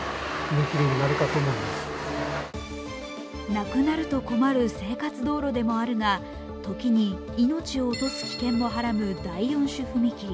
なくなると困る生活道路でもあるが時に命を落とす危険もはらむ第４種踏切。